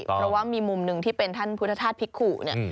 เพราะว่ามีมุมหนึ่งที่เป็นท่านพุทธธาตุพิกขุเนี่ย